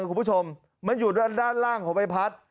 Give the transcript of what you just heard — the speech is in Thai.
คุณผู้ชมมันอยู่ด้านล่างของใบพัด